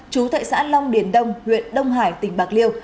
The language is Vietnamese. chú thệ xã long điền đông huyện đông hải tỉnh bạc liêu